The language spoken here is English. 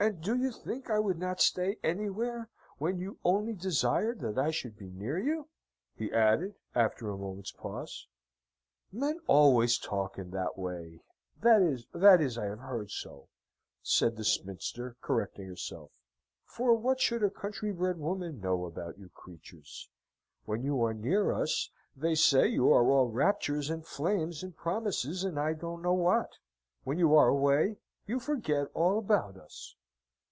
And do you think I would not stay anywhere, when you only desired that I should be near you?" he added, after a moment's pause. "Men always talk in that way that is, that is, I have heard so," said the spinster, correcting herself; "for what should a country bred woman know about you creatures? When you are near us, they say you are all raptures and flames and promises and I don't know what; when you are away, you forget all about us."